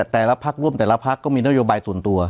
แต่ละพักร่วมแต่ละพักก็มีนโยบายส่วนตัว